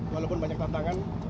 walaupun banyak tantangan